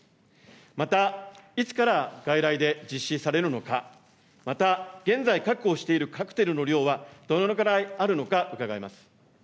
また、いつから外来で実施されるのか、また現在確保しているカクテルの量はどのぐらいあるのか伺います。